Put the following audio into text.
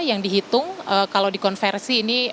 yang dihitung kalau dikonversi ini